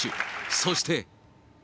そして。